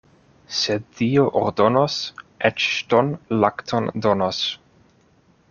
Se Dio ordonos, eĉ ŝton' lakton donos.